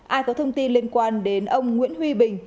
ai có thông tin liên quan đến ông nguyễn huy bình